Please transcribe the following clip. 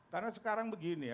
karena sekarang begini ya